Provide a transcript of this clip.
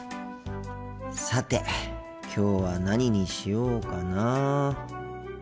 さてきょうは何にしようかな。